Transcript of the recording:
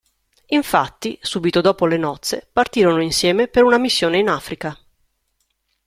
Infatti, subito dopo le nozze, partirono insieme per una missione in Africa.